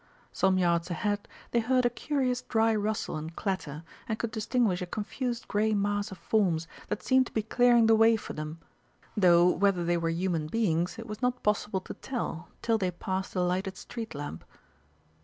Some yards ahead they heard a curious dry rustle and clatter, and could distinguish a confused grey mass of forms that seemed to be clearing the way for them, though whether they were human beings it was not possible to tell till they passed a lighted street lamp.